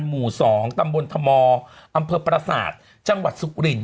หมู่สองตำบลธมศ์อำเภอปรศาสตร์จังหวัดสุรินทร์